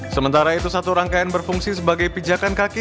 sementara itu satu rangkaian berfungsi sebagai pijakan kaki